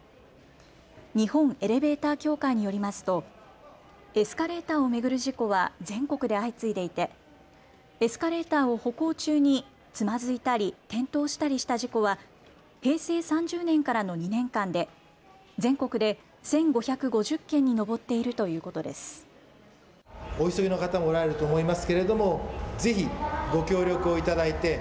日本エレベーター協会によりますとエスカレーターをめぐる事故は全国で相次いでいてエスカレーターを歩行中につまずいたり転倒したりした事故は平成３０年からの２年間で全国で１５５０件に上っているということです。